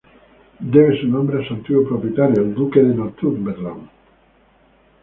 Debe su nombre a su antiguo propietario, el duque de Northumberland.